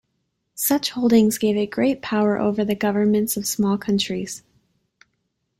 Such holdings gave it great power over the governments of small countries.